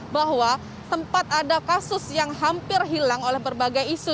bahwa sempat ada kasus yang hampir hilang oleh berbagai isu